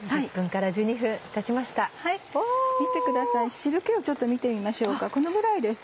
汁気をちょっと見てみましょうかこのぐらいです。